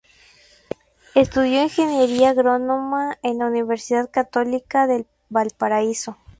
Estudió ingeniería agrónoma en la Universidad Católica de Valparaíso.